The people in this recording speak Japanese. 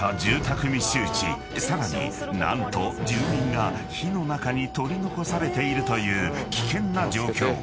［さらに何と住民が火の中に取り残されているという危険な状況］